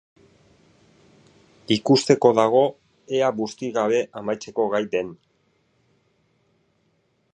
Ikusteko dago ea busti gabe amaitzeko gai den!